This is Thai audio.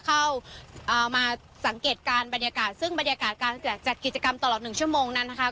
เข้ามาสังเกตการณ์บรรยากาศซึ่งบรรยากาศการจัดกิจกรรมตลอด๑ชั่วโมงนั้นนะคะ